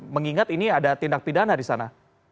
mengingat ini ada tindak pidana di sana